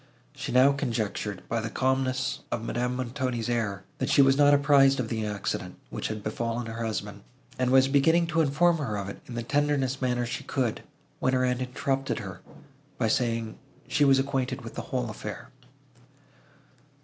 She now conjectured, by the calmness of Madame Montoni's air, that she was not apprised of the accident, which had befallen her husband, and was beginning to inform her of it, in the tenderest manner she could, when her aunt interrupted her, by saying, she was acquainted with the whole affair.